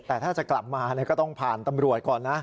แต่ถ้าจะกลับมาก็ต้องผ่านตำรวจก่อนนะ